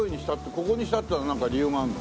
ここにしたってのはなんか理由があるの？